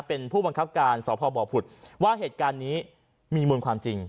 เป็นผู้บังคับการสพบผุดว่าเหตุการณ์นี้มีมูลความจริง